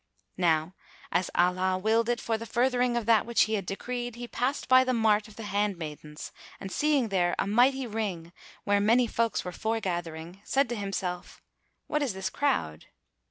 Now, as Allah willed it for the furthering of that which He had decreed, he passed by the mart of the hand maidens and seeing there a mighty ring where many folks were foregathering, said to himself, "What is this crowd?"